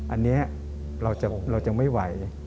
อันนี้เรายังไม่ไหว